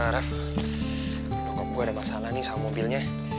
rev bokap gue ada masalah nih sama mobilnya